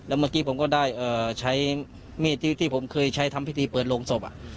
เมื่อกี้ผมก็ได้ใช้มีดที่ผมเคยใช้ทำพิธีเปิดโรงศพ